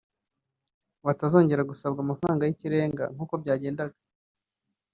batazongera gusabwa amafaranga y’ikirenga nkuko byagendaga